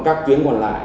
các tuyến còn lại